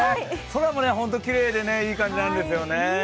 空も本当にきれいでいい感じなんですよね。